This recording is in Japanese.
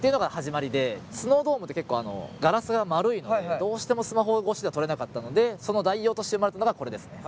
スノードームって結構ガラスが丸いのでどうしてもスマホ越しでは撮れなかったのでその代用として生まれたのがこれですね。